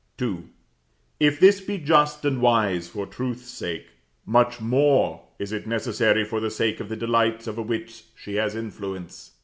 II. If this be just and wise for truth's sake, much more is it necessary for the sake of the delights over which she has influence.